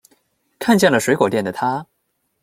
看见了水果店的她